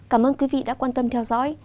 cảm ơn quý vị đã quan tâm theo dõi